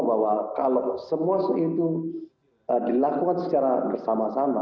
bahwa kalau semua itu dilakukan secara bersama sama